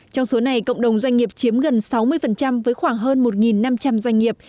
trong số này cộng đồng doanh nghiệp chiếm gần sáu mươi với khoảng hơn một năm trăm linh doanh nghiệp